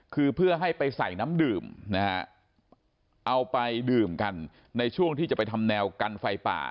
คือเพื่อให้ไปใส่น้ำดื่มนะฮะเอาไปดื่มกันในช่วงที่จะไปทำแนวกันไฟป่า